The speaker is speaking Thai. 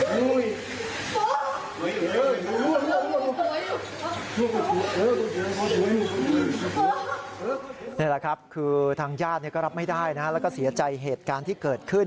นี่แหละครับคือทางญาติก็รับไม่ได้นะฮะแล้วก็เสียใจเหตุการณ์ที่เกิดขึ้น